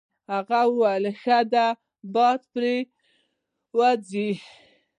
هغه وویل: ښه ده باد پرې وځي.